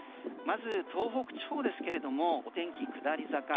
まず東北地方ですけれどもお天気、下り坂。